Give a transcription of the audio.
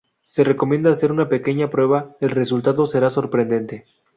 Se recomienda hacer una pequeña prueba: el resultado será sorprendente.